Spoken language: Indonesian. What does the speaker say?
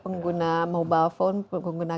pengguna mobile phone pengguna